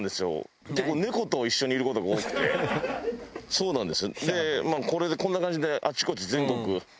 そうなんです。